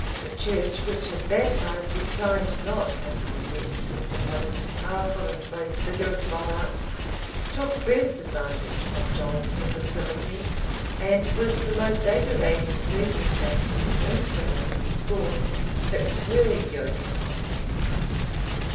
The church, which at that time declined not a contest with the most powerful and most vigorous monarchs, took first advantage of John's imbecility; and, with the most aggravating circumstances of insolence and scorn, fixed her yoke upon him.